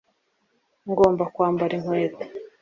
Ngomba kwambara inkweto